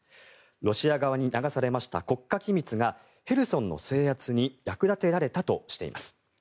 ロシア側に流されました国家機密がヘルソンの制圧に役立てられたとしています。